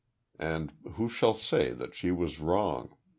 And who shall say that she was wrong?